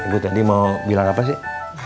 gue tadi mau bilang apa sih